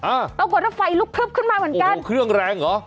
อ่าแล้วก็น้ำไฟลุกพึบขึ้นมาเหมือนกันโอ้โหเครื่องแรงเหรอ